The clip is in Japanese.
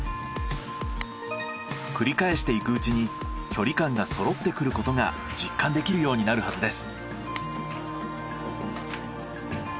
繰り返していくうちに距離感が揃ってくることが実感できるようになるはずです。